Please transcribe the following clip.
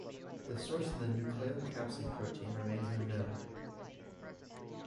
The source of the nucleocapsid protein remains unknown.